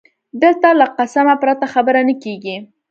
دلته له قسمه پرته خبره نه کېږي